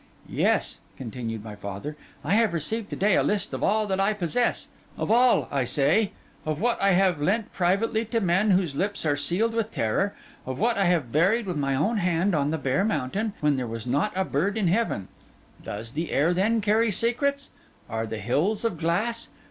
'Yes,' continued my father, 'I have received to day a list of all that I possess; of all, I say; of what I have lent privately to men whose lips are sealed with terror; of what I have buried with my own hand on the bare mountain, when there was not a bird in heaven. Does the air, then, carry secrets? Are the hills of glass?